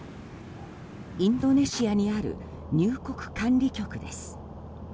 インドネシアにある入国管理局です。